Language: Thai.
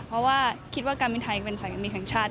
เพราะว่าคิดว่าการบินไทยเป็นสายการบินแห่งชาติ